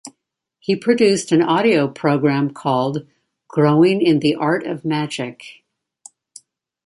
He produced an audio program called "Growing in the Art of Magic".